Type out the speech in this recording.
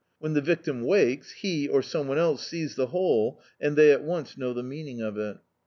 When the victim wakes he, or s(»ne one else, sees the hole, and they at once know the meaning of it.